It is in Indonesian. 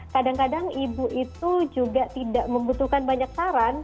kadang kadang ibu itu juga tidak membutuhkan banyak saran